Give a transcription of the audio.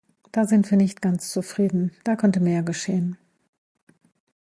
Da sind wir nicht ganz zufrieden, da könnte mehr geschehen.